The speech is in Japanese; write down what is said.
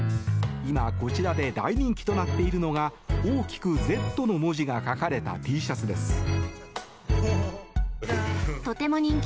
今、こちらで大人気となっているのが大きく「Ｚ」の文字が書かれたＴシャツです。